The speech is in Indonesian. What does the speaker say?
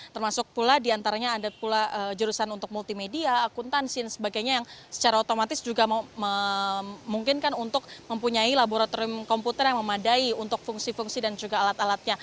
termasuk pula diantaranya ada pula jurusan untuk multimedia akuntansin dan sebagainya yang secara otomatis juga memungkinkan untuk mempunyai laboratorium komputer yang memadai untuk fungsi fungsi dan juga alat alatnya